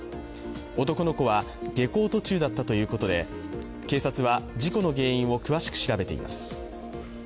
男の子は下校途中だったということで警察は事故の原因を詳しく調べています。